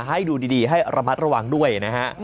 ให้ดูดีให้ระมัดระวังด้วยนะฮะ